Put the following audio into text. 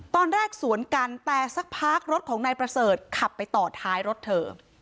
สวนกันแต่สักพักรถของนายประเสริฐขับไปต่อท้ายรถเธอ